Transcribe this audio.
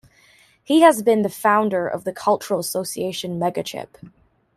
He has been the founder of the cultural association Megachip.